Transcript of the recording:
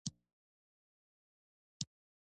محسوس تشبیه له محسوس سره د تشبېه وېش.